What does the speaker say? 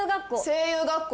声優学校。